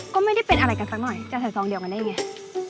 ก็ไม่ได้เป็นอะไรกันสักหน่อยจะใส่ซองเดียวกันได้ไง